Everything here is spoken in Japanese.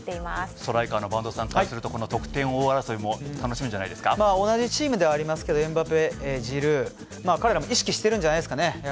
ストライカーの播戸さんからすると得点王争いも同じチームではありますけどエムバペ、ジルー彼らも意識しているんじゃないですかね。